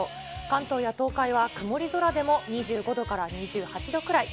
関東や東海は、曇り空でも２５度から２８度くらい。